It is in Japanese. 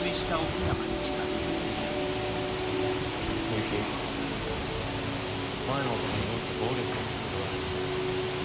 深雪前の男によく暴力を振るわれていたんです。